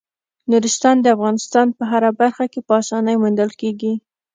نورستان د افغانستان په هره برخه کې په اسانۍ موندل کېږي.